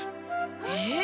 えっ？